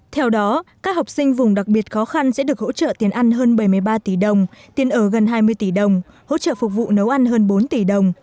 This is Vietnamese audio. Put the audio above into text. theo đó các học sinh vùng đặc biệt khó khăn sẽ được hỗ trợ tiền ăn hơn bảy mươi ba tỷ đồng tiền ở gần hai mươi tỷ đồng hỗ trợ phục vụ nấu ăn hơn bốn tỷ đồng